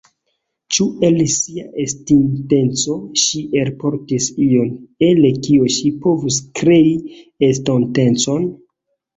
Ĉu el sia estinteco ŝi elportis ion, el kio ŝi povus krei estontecon?